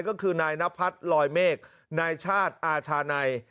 ก็คือนายนพัฒน์ลอยเมฆนายชาติอาชานัย